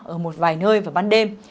ở một vài nơi vào ban đêm